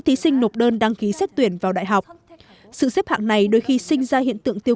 thí sinh nộp đơn đăng ký xét tuyển vào đại học sự xếp hạng này đôi khi sinh ra hiện tượng tiêu